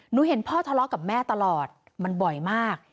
เห็นพ่อทะเลาะกับแม่ตลอดมันบ่อยมาก